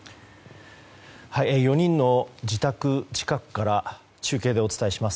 ４人の自宅近くから中継でお伝えします。